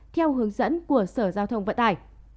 theo hướng dẫn của sở giao thông vận tải